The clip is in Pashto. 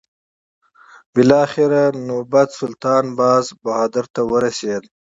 بالاخره نوبت سلطان باز بهادر ته ورسېد.